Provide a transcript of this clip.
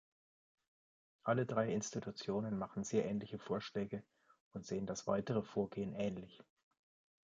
Alle drei Institutionen machen sehr ähnliche Vorschläge und sehen das weitere Vorgehen ähnlich.